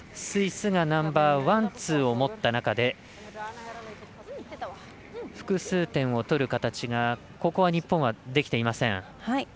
スイスがナンバーワン、ツーを持った中で複数点を取る形がここは日本はできていません。